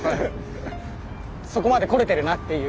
そこまで来れてるなっていう。